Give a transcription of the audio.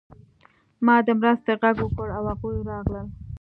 ما د مرستې غږ وکړ او هغوی راغلل